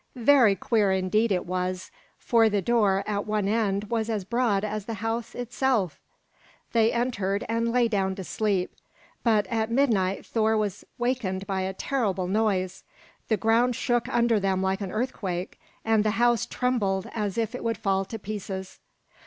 Very queer indeed it was; for the door at one end was as broad as the house itself! They entered, and lay down to sleep; but at midnight Thor was wakened by a terrible noise. The ground shook under them like an earthquake, and the house trembled as if it would fall to pieces.